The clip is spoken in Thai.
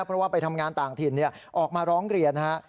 เพราะว่าไปทำงานต่างถิ่นออกมาร้องเรียนฮะ